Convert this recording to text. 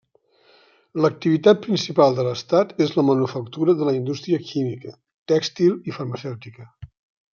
L'activitat principal de l'estat és la manufactura de la indústria química, tèxtil i farmacèutica.